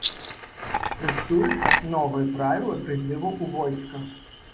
Рыхтуюцца новыя правілы прызыву ў войска.